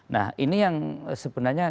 nah ini yang sebenarnya